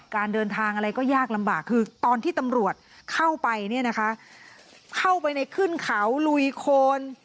การเดินทางอะไรก็ยากลำบากคือตอนที่ตำรวจเข้าไปเนี่ยนะคะเข้าไปในขึ้นเขาลุยโคน